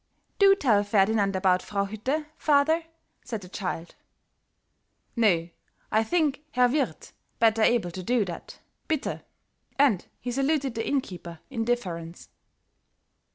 "Do tell Ferdinand about Frau Hütte, father!" said the child. "No, I think Herr Wirthe better able to do that. Bitte," and he saluted the inn keeper in deference.